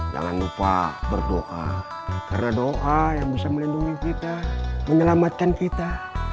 jangan lupa berdoa karena doa yang bisa melindungi kita menyelamatkan kita